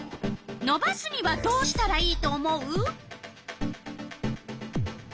のばすにはどうしたらいいと思う？